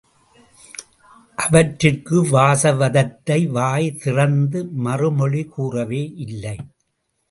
அவற்றிற்கு வாசவதத்தை வாய் திறந்து மறுமொழி கூறவே இல்லை.